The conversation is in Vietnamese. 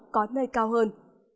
có nơi cao hơn